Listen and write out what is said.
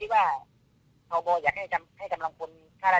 ให้กับคือบุตรสายให้ให้คุณภูมินะจะลุยนะคะ